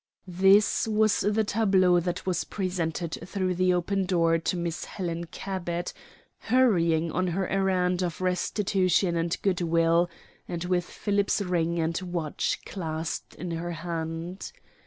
This was the tableau that was presented through the open door to Miss Helen Cabot, hurrying on her errand of restitution and good will, and with Philip's ring and watch clasped in her hand.